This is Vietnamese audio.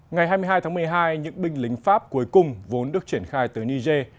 ngày hai mươi hai tháng một mươi hai những binh lính pháp cuối cùng vốn được triển khai từ niger